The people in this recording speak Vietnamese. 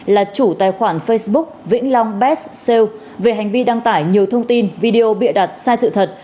là chủ tài khoản facebook vĩnh long bes sale về hành vi đăng tải nhiều thông tin video bịa đặt sai sự thật